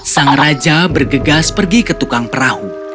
sang raja bergegas pergi ke tukang perahu